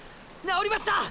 治りました！！